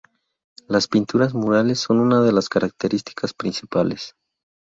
Las pinturas murales son una de las características principales.